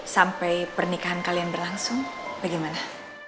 sampai pernikahan kalian berlangsung bagaimana